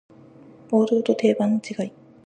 王道と定番の違い